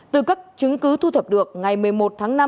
từ các chứng cứ thu thập được ngày một mươi một tháng năm